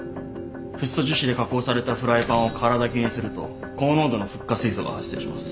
フッ素樹脂で加工されたフライパンを空だきにすると高濃度のフッ化水素が発生します。